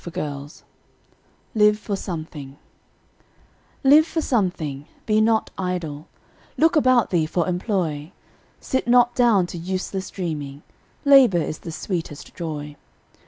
LIVE FOR SOMETHING Live for something; be not idle Look about thee for employ; Sit not down to useless dreaming Labor is the sweetest joy.